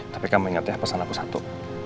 tapi kamu ingat ya pesan aku satu